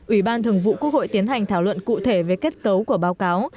ủy ban thường vụ quốc hội tiến hành thảo luận cụ thể về kết cấu của báo cáo